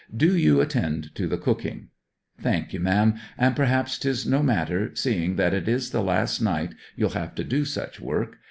'Do you attend to the cooking.' 'Thank you, ma'am. And perhaps 'tis no matter, seeing that it is the last night you'll have to do such work.